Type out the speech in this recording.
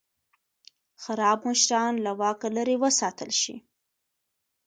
خراب مشران له واکه لرې وساتل شي.